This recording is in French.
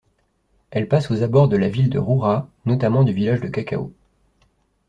Elle passe aux abords de la ville de Roura, notamment du village de Cacao.